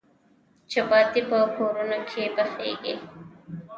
چپاتي په کورونو کې پخیږي.